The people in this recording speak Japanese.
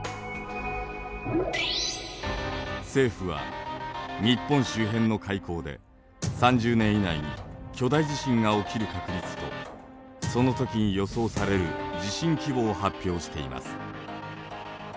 政府は日本周辺の海溝で３０年以内に巨大地震が起きる確率とその時に予想される地震規模を発表しています。